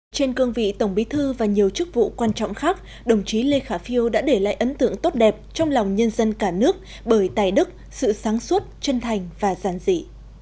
trên cương vị tổng bí thư và nhiều chức vụ quan trọng khác đồng chí lê khả phiêu đã để lại ấn tượng tốt đẹp trong lòng nhân dân cả nước bởi tài đức sự sáng suốt chân thành và giản dị